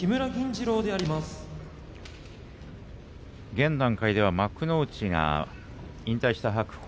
現段階では幕内が引退した白鵬